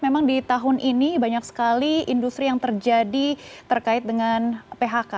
memang di tahun ini banyak sekali industri yang terjadi terkait dengan phk